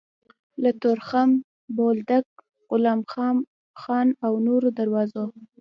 له تورخم، بولدک، غلام خان او نورو دروازو